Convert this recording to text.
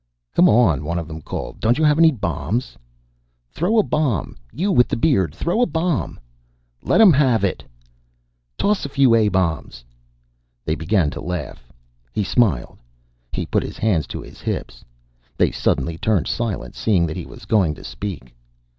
"Come on!" one of them called. "Don't you have any bombs?" "Throw a bomb! You with the beard! Throw a bomb!" "Let 'em have it!" "Toss a few A Bombs!" They began to laugh. He smiled. He put his hands to his hips. They suddenly turned silent, seeing that he was going to speak.